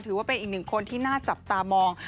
ถือว่าเป็นอีกหนึ่งคนที่น่าจับตามอง